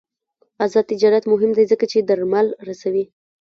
آزاد تجارت مهم دی ځکه چې درمل رسوي.